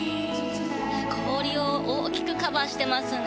氷を大きくカバーしてますね。